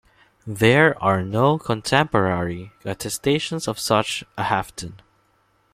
There are no contemporary attestations of such a Halfdan.